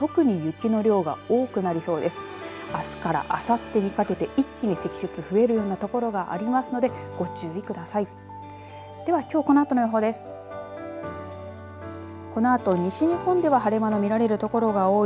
あすからあさってにかけて一気に積雪増えるような所がありますので、ご注意ください。